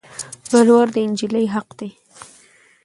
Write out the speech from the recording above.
ولوړ د انجلی حق دي